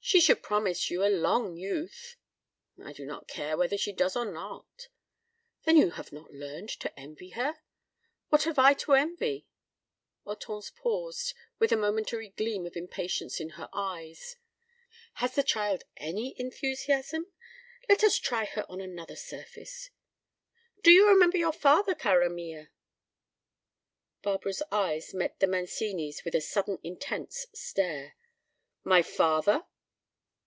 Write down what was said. She should promise you a long youth." "I do not care whether she does or not." "Then you have not learned to envy her?" "What have I to envy?" Hortense paused, with a momentary gleam of impatience in her eyes. "Has the child any enthusiasm? Let us try her on another surface. Do you remember your father, cara mia?" Barbara's eyes met the Mancini's with a sudden intense stare. "My father?"